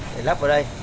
để lắp vào đây